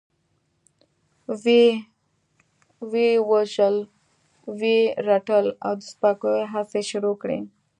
وه يې وژل، وه يې رټل او د سپکاوي هڅې يې شروع کړې.